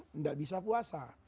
tidak bisa puasa